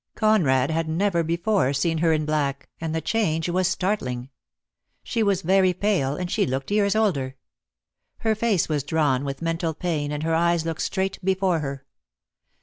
Conrad had never before seen her in black, and the change was startling. She was very pale, and she looked years older. Her face was drawn with mental pain and her eyes looked straight before her.